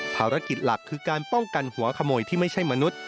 ภารกิจหลักคือการป้องกันหัวขโมยที่ไม่ใช่มนุษย